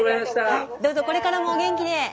どうぞこれからもお元気で。